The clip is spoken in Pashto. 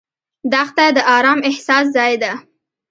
دښته د ارام احساس ځای ده.